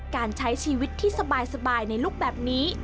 การใช้ชีวิตที่สบายในลูกแบบนี้